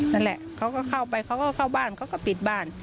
นั่นแหละเขาก็เข้าไปเขาก็เข้าบ้านเขาก็ปิดบ้าน